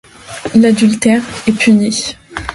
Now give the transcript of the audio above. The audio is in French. L’adultère est puni.